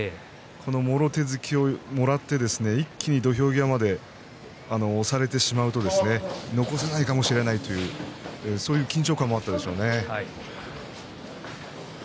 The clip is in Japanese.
もろ手突きをもらったら一気に土俵際まで押されてしまうと残せないかもしれないというそういう緊張感もあったでしょうね。